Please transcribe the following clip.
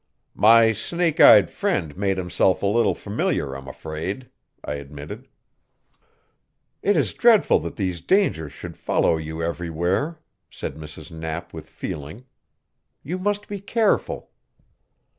"My snake eyed friend made himself a little familiar, I'm afraid," I admitted. "It is dreadful that these dangers should follow you everywhere," said Mrs. Knapp with feeling. "You must be careful."